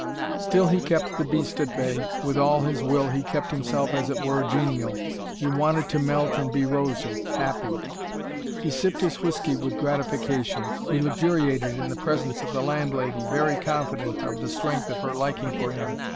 Still he kept the beast at bay with all his will he kept himself as it were genial. He wanted to melt and be rosy, happy. He sipped his whiskey with gratification, he luxuriated in the presence of the landlady, very confident of the strength of her liking for him.